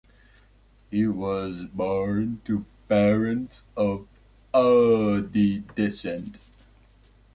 He was born to parents of Adi descent.